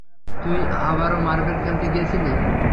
তুই আবারও মার্বেল খেলতে গিয়েছিলি?